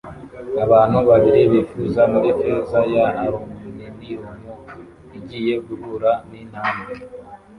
Abantu babiri bifuza muri feza ya aluminium igiye guhura nintambwe